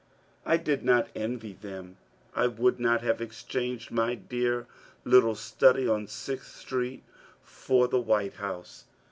I did not envy them ; I would not have exchanged my dear little study on Sixth Street for the White House.